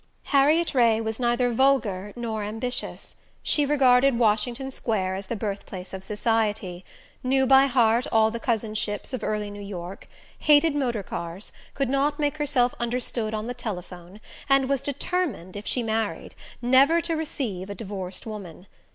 Harriet Ray was neither vulgar nor ambitious. She regarded Washington Square as the birthplace of Society, knew by heart all the cousinships of early New York, hated motor cars, could not make herself understood on the telephone, and was determined, if she married, never to receive a divorced woman.